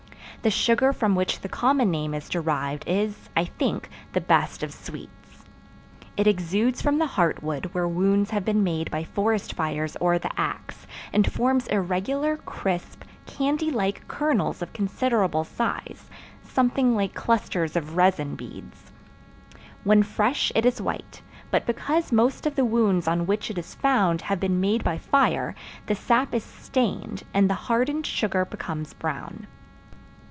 The sugar from which the common name is derived is, I think, the best of sweets. It exudes from the heart wood where wounds have been made by forest fires or the ax, and forms irregular, crisp, candy like kernels of considerable size, something like clusters of resin beads. When fresh it is white, but because most of the wounds on which it is found have been made by fire the sap is stained and the hardened sugar becomes brown.